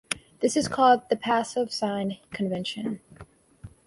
This is called the "passive sign convention".